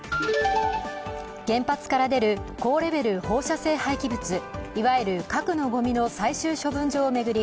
原発から出る高レベル放射性廃棄物、いわゆる核のごみの最終処分場を巡り